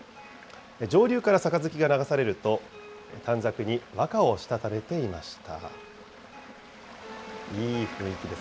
上流から杯が流されると、短冊に和歌をしたためていました。